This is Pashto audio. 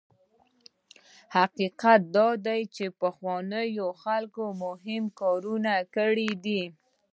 حقیقت دا دی چې پخوانیو خلکو مهم کارونه کړي دي.